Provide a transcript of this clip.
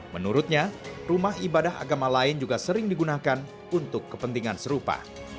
menurutnya rumah ibadah agama lain juga sering digunakan untuk kepentingan serupa